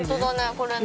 これね。